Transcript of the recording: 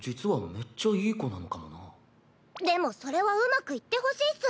でもそれはうまくいってほしいっス。